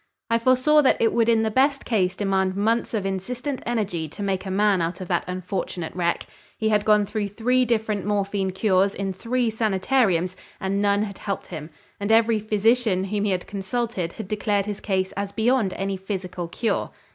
I foresaw that it would in the best case demand months of insistent energy to make a man out of that unfortunate wreck. He had gone through three different morphine cures in three sanitariums and none had helped him, and every physician whom he had consulted had declared his case as beyond any physical cure.